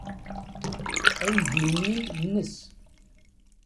Aydi-nni nnes.